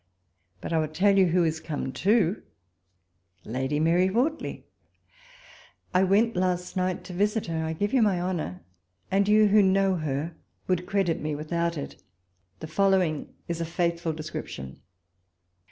But I will tell you who is come too — Lady Mary Wortley. I went last night to visit her ; I give you my honour, and you who know her, would credit me without it, walpole's letters. S9 the following is a faithful description.